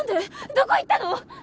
どこいったの！？